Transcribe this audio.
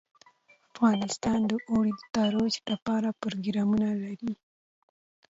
افغانستان د اوړي د ترویج لپاره پروګرامونه لري.